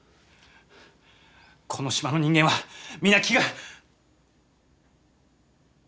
この島の人間は皆気が。